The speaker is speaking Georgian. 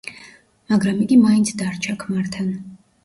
მაგრამ იგი მაინც დარჩა ქმართან.